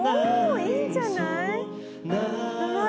いいんじゃない？